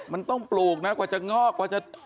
มันต้องปลูกนะกว่าจะงอกกว่าจะ